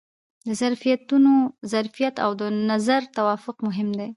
د طرفینو ظرفیت او د نظر توافق مهم دي.